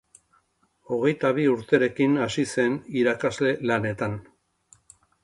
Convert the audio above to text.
Hogeita bi urterekin hasi zen irakasle lanetan.